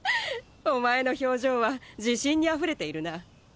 お前の表情は自信にあふれているな。